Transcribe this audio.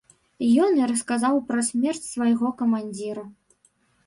Ён і расказаў пра смерць свайго камандзіра.